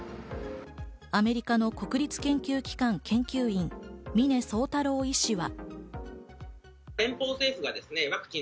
アメリカの国立研究機関研究員・峰宗太郎医師は。